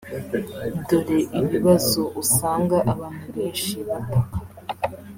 Dore ibibazo usanga abantu benshi bataka